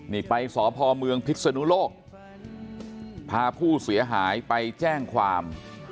นี่ไปสพเมืองพิศนุโลกพาผู้เสียหายไปแจ้งความ